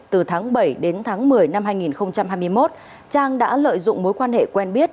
từ tháng bảy đến tháng một mươi năm hai nghìn hai mươi một trang đã lợi dụng mối quan hệ quen biết